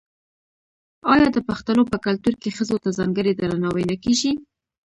آیا د پښتنو په کلتور کې ښځو ته ځانګړی درناوی نه کیږي؟